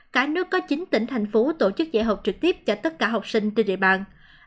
cả nước có chín tỉnh thành phố tổ chức dạy học trực tiếp cho tất cả học sinh trên địa bàn